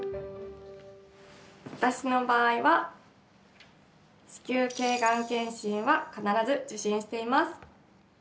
私の場合は子宮けいがん検診は必ず受診しています。